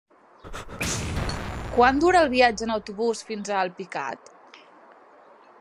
Quant dura el viatge en autobús fins a Alpicat?